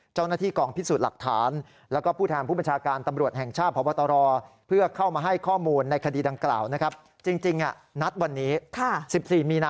เจ้าหน้าที่กองพิสูจน์หลักฐาน